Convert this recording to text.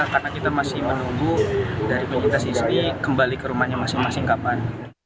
karena kita masih menunggu dari penyintas istri kembali ke rumahnya masing masing kapan